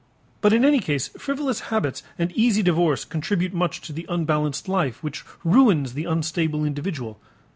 But in any case frivolous habits and easy divorce contribute much to the unbalanced life which ruins the unstable individual.